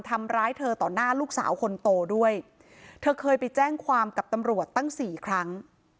ทำร้ายเธอต่อหน้าลูกสาวคนโตด้วยเธอเคยไปแจ้งความกับตำรวจตั้งสี่ครั้ง